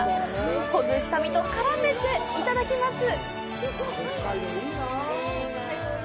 ほぐした身と絡めていただきます。